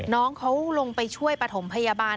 น้องเขาลงไปช่วยประถมพยาบาล